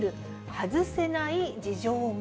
外せない事情も。